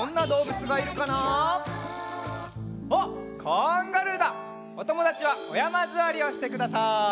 おともだちはおやまずわりをしてください。